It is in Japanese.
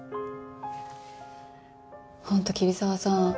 本当桐沢さん